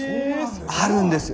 あるんです。